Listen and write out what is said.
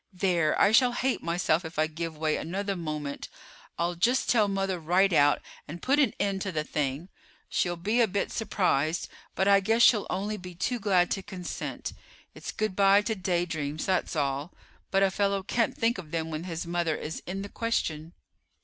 There, I shall hate myself if I give way another moment. I'll just tell mother right out, and put an end to the thing. She'll be a bit surprised, but I guess she'll be only too glad to consent. It's good by to daydreams, that's all; but a fellow can't think of them when his mother is in the question."